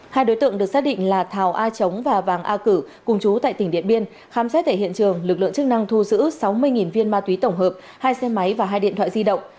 hai đối tượng được xác định là thảo a chống và vàng a cử cùng chú tại tỉnh điện biên khám xét tại hiện trường lực lượng chức năng thu giữ sáu mươi viên ma túy tổng hợp hai xe máy và hai điện thoại di động